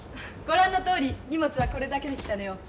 ご覧のとおり荷物はこれだけで来たのよ。